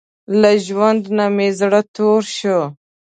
له ژوند نۀ مې زړه تور شو